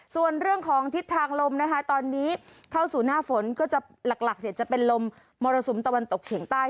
ส่วนเรื่องของทิศทางลมนะคะตอนนี้เข้าสู่หน้าฝนก็จะหลักจะเป็นลมมรสุมตะวันตกเฉียงใต้